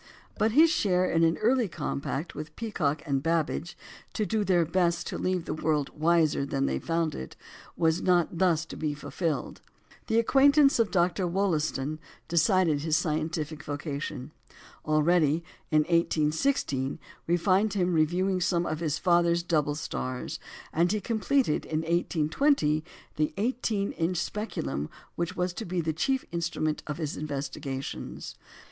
But his share in an early compact with Peacock and Babbage, "to do their best to leave the world wiser than they found it," was not thus to be fulfilled. The acquaintance of Dr. Wollaston decided his scientific vocation. Already, in 1816, we find him reviewing some of his father's double stars; and he completed in 1820 the 18 inch speculum which was to be the chief instrument of his investigations.